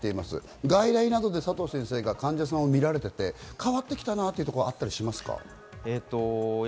外来などで佐藤先生が患者さんを診られていて変わってきたなというところはありますか？